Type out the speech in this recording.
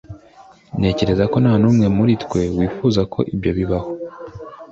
ntekereza ko nta n'umwe muri twe wifuza ko ibyo bibaho